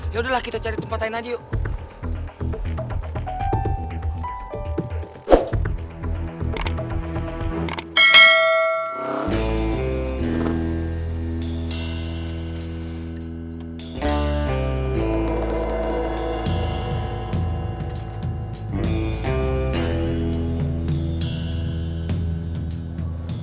yaudahlah kita cari tempat lain aja yuk